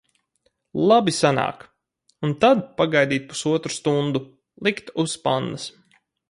Labi sanāk! Un tad pagaidīt pusotru stundu. Likt uz pannas.